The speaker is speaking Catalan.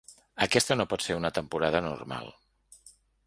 Aquesta no pot ser una temporada normal.